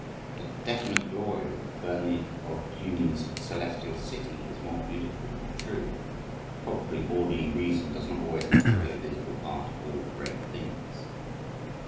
The definite glory of Bernard of Cluny's Celestial City, is more beautiful than true probably. Orderly reason does not always have to be a visible part of all great things.